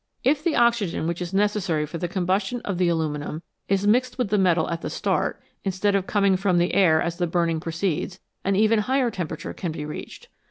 If the oxygen which is necessary for the combustion of the aluminium is mixed with the metal at the start, instead of coming from the air as the burning proceeds, an even higher temperature can be reached.